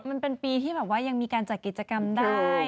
มันเป็นปีที่แบบว่ายังมีการจัดกิจกรรมได้